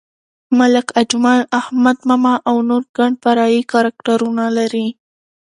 ملک اجمل، احمد ماما او نور ګڼ فرعي کرکټرونه لري.